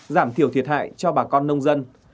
giảm thiểu thiệt hại cho bà con nông dân